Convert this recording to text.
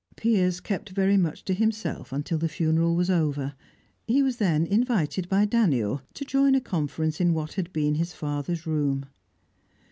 Piers kept very much to himself until the funeral was over; he was then invited by Daniel to join a conference in what had been his father's room.